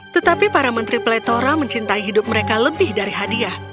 tetapi para menteri pletora mencintai hidup mereka lebih dari hadiah